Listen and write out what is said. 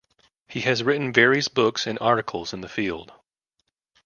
He has written various books and articles in the field.